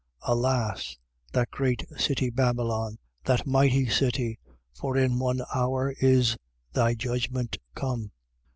alas! that great city, Babylon, that mighty city: for in one hour is thy judgment come.